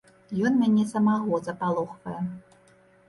Ён мяне самога запалохвае.